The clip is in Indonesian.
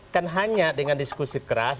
kan hanya dengan diskusi keras